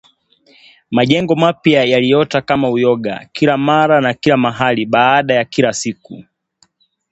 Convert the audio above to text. Majengo mapya yaliota kama uyoga kila mara na kila mahali baada ya kila siku